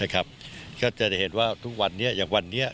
ก็จะเห็นว่าทุกวันนี้อย่างวันนี้